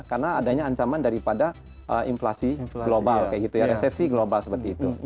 karena adanya ancaman daripada inflasi global resesi global seperti itu